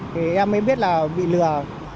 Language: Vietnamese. thì em mới biết là bị lừa